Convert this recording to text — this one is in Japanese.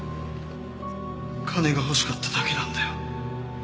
金が欲しかっただけなんだよ。